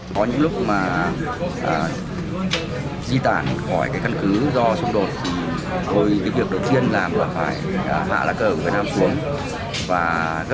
có những lúc mà di tản khỏi căn cứ do xung đột thì cái việc đầu tiên làm là phải hạ lá cờ của việt nam xuống và gấp bọn và mang theo người